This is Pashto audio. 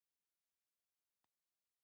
له باطل نه د ځان ساتنې توفيق راکړه.